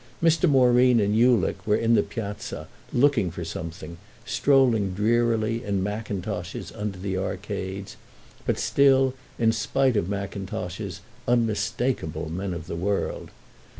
Mr. Moreen and Ulick were in the Piazza, looking out for something, strolling drearily, in mackintoshes, under the arcades; but still, in spite of mackintoshes, unmistakeable men of the world.